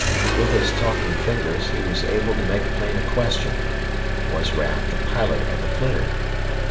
With those talking fingers, he was able to make plain a question: was Raf the pilot of the flitter?